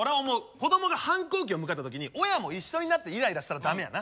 子供が反抗期を迎えた時に親も一緒になってイライラしたら駄目やな。